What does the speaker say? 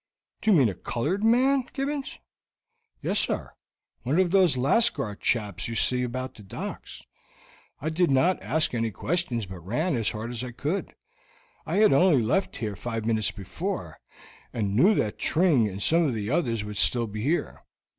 "Do you mean a colored man, Gibbons?" "Yes, sir, one of those Lascar chaps you see about the docks. I did not ask any questions, but ran as hard as I could. I had only left here five minutes before, and knew that Tring and some of the others would still be here.